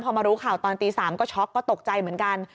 พอมารู้ข่าวตอนตี๓ก็ช็อกก็ตกใจเหมือนกัน